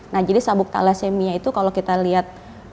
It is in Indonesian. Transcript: nah jadi sabuk thalassemia itu kalau kita lihat